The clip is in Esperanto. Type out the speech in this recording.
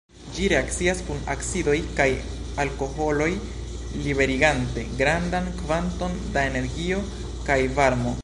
Ĝi reakcias kun acidoj kaj alkoholoj liberigante grandan kvanton da energio kaj varmo.